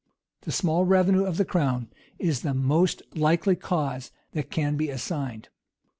The small revenue of the crown is the most likely cause that can be assigned.